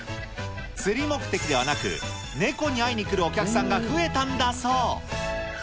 釣り目的ではなく、ネコに会いにくるお客さんが増えたんだそう。